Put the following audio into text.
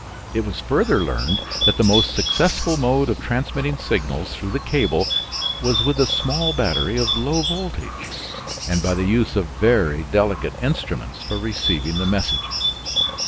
It was further learned that the most successful mode of transmitting signals through the cable was with a small battery of low voltage, and by the use of very delicate instruments for receiving the messages.